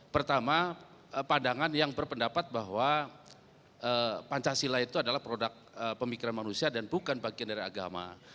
pertama pandangan yang berpendapat bahwa pancasila itu adalah produk pemikiran manusia dan bukan bagian dari agama